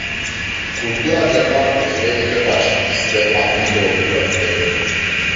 Cultura germană postbelică pacifistă a primit o lovitură puternică.